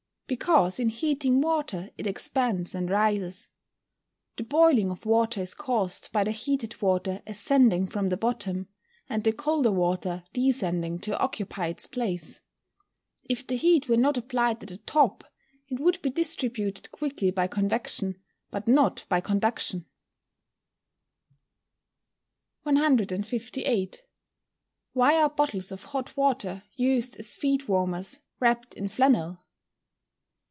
_ Because in heating water it expands and rises. The boiling of water is caused by the heated water ascending from the bottom, and the colder water descending to occupy its place. If the heat were not applied at the top, it would be distributed quickly by convection, but not by conduction. 158. _Why are bottles of hot water, used as feet warmers, wrapped in flannel?